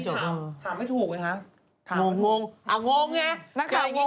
เจออย่างนี้งงไหม